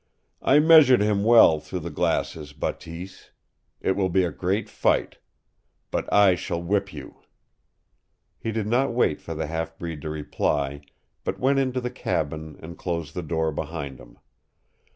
"I measured him well through the glasses, Bateese. It will be a great fight. But I shall whip you!" He did not wait for the half breed to reply, but went into the cabin and closed the door behind him.